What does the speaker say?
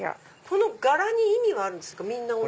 この柄に意味はあるんですか？